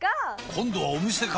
今度はお店か！